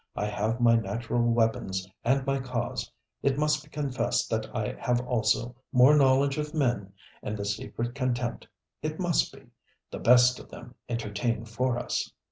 I have my natural weapons and my cause. It must be confessed that I have also more knowledge of men and the secret contempt it must be the best of them entertain for us.